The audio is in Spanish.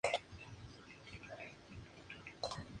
Stark es arrestado pero el destino de Susan es dejado en duda.